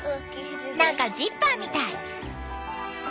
何かジッパーみたい！